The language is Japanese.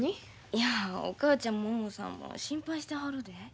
いやお母ちゃんもももさんも心配してはるで。